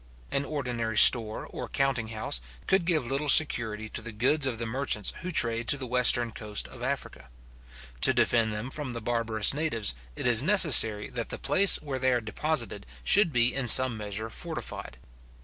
An ordinary store or counting house could give little security to the goods of the merchants who trade to the western coast of Africa. To defend them from the barbarous natives, it is necessary that the place where they are deposited should be in some measure fortified.